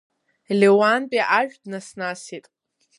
Леуанти ашә днаснасит.